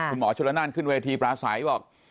คุณหมอชุระนานขึ้นเวทีประสัยว่า